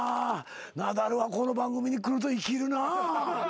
ナダルはこの番組に来ると生きるなぁ。